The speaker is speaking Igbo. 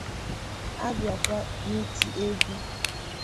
A bịakwa n'iti egwu